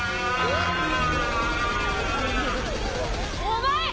お前！